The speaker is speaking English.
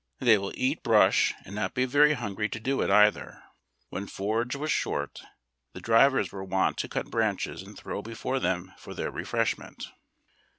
They will eat brush, and not be very hungry to do it, either. When forage was short, the drivers were wont to cut branches and throw before them for their refreshment.